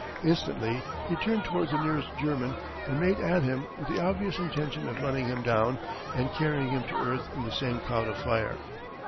Instantly he turned towards the nearest German and made at him with the obvious intention of running him down and carrying him to earth in the same cloud of fire.